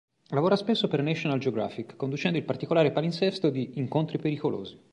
Lavora spesso per National Geographic conducendo il particolare palinsesto di "Incontri pericolosi".